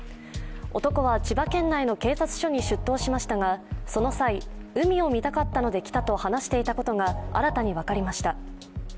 男は千葉県内の警察署に出頭しましたが、その際、海を見たかったので来たと話していたことが新たに分かりました。